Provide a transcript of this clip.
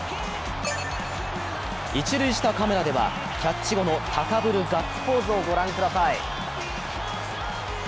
一塁下カメラではキャッチ後の高ぶるガッツポーズをご覧ください。